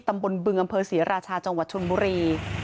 บึงอำเภอศรีราชาจังหวัดชนบุรี